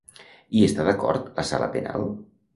Hi està d'acord la Sala Penal?